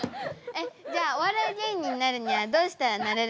えっじゃあお笑い芸人になるにはどうしたらなれるんですか？